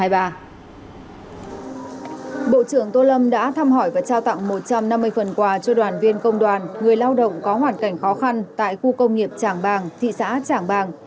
bộ trưởng tô lâm đã thăm hỏi và trao tặng một trăm năm mươi phần quà cho đoàn viên công đoàn người lao động có hoàn cảnh khó khăn tại khu công nghiệp tràng bàng thị xã trảng bàng